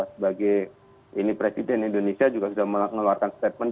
sebagai ini presiden indonesia juga sudah mengeluarkan statement